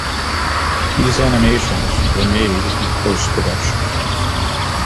These animations were made in post-production.